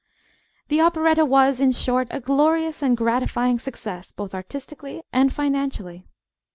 The operetta was, in short, a glorious and gratifying success, both artistically and financially.